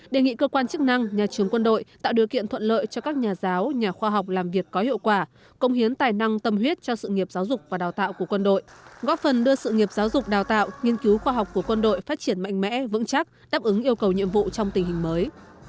đề nghị cơ quan chức năng nhà trường quân đội tạo điều kiện thuận lợi cho các nhà giáo nhà khoa học làm việc có hiệu quả công hiến tài năng tâm huyết cho sự nghiệp giáo dục và đào tạo của quân đội góp phần đưa sự nghiệp giáo dục đào tạo nghiên cứu khoa học của quân đội phát triển mạnh mẽ vững chắc đáp ứng yêu cầu nhiệm vụ trong tình hình mới